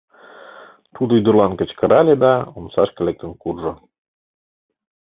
— тудо ӱдырлан кычкырале да омсашке лектын куржо.